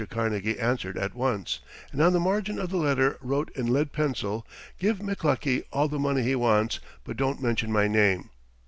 Carnegie answered at once, and on the margin of the letter wrote in lead pencil: "Give McLuckie all the money he wants, but don't mention my name."